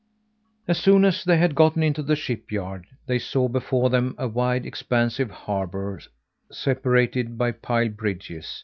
As soon as they had gotten into the shipyard, they saw before them a wide, expansive harbor separated by pile bridges.